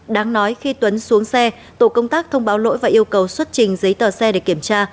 đáng nói khi tuấn xuống xe tổ công tác thông báo lỗi và yêu cầu xuất trình giấy tờ xe để kiểm tra